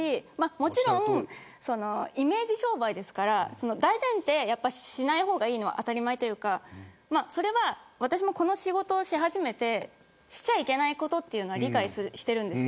もちろんイメージ商売ですから大前提でしない方がいいのは当たり前というか私もこの仕事をし始めてしちゃいけないことは理解しているんです。